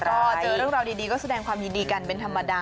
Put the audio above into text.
ก็เจอเรื่องราวดีก็แสดงความยินดีกันเป็นธรรมดา